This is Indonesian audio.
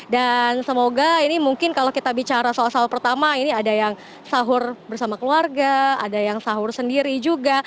dan semoga ini mungkin kalau kita bicara soal soal pertama ini ada yang sahur bersama keluarga ada yang sahur sendiri juga